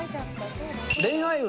恋愛運